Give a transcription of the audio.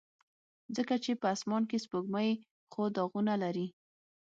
ځکه چې په اسمان کې سپوږمۍ خو داغونه لري.